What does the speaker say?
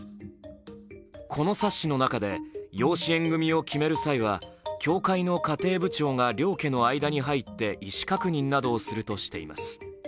この冊子の中で、養子縁組を決める際は教会の家庭部長が両家の間に入って意思確認などをするとしています。